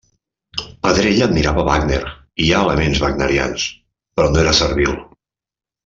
Pedrell admirava Wagner i hi ha elements wagnerians, però no era servil.